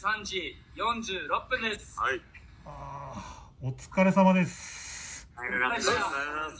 お疲れさまです！